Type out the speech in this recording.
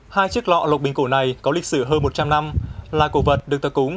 hai chiếc lọ lộc bình cổ này có lịch sử hơn một trăm linh năm là cổ vật được thờ cúng